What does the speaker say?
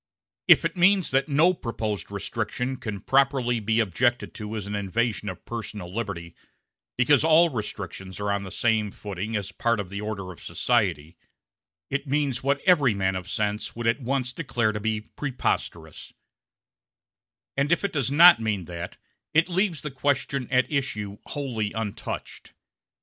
If it means that no proposed restriction can properly be objected to as an invasion of personal liberty, because all restrictions are on the same footing as part of the order of society, it means what every man of sense would at once declare to be preposterous; and if it does not mean that it leaves the question at issue wholly untouched.